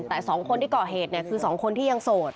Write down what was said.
แต่๒คนที่ก่อเหตุคือ๒คนที่ยังโสด